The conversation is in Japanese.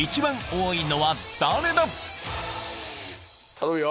頼むよ！